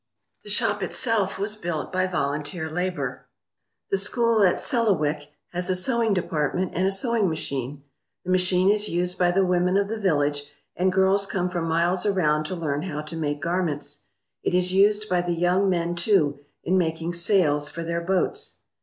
The shop itself was built by vol unteer labour. The school at Selawik has a sewing department and a sewing machine. The machine is used by the women of the village, and girls come from miles around to learn how to make garments. It is used by the young men, too, in making sails for their boats.